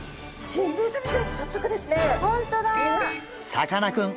さかなクン